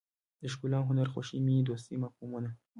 د ښکلا هنر خوښۍ مینې دوستۍ مفهومونه.